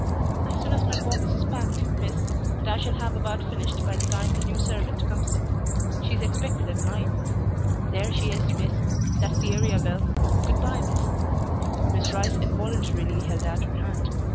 "As soon as my box is packed, miss, and I shall have about finished by the time the new servant comes in. She's expected at nine; there she is, miss that's the area bell. Good bye, miss." Miss Rice involuntarily held out her hand.